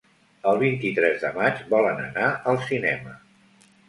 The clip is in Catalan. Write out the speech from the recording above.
El vint-i-tres de maig volen anar al cinema.